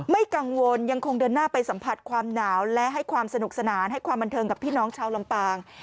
ไม่กังวลยังคงเดินหน้าไปสัมผัสความหนาวและให้ความสนุกสนานให้ความบันเทิงกับพี่น้องชาวลำปาง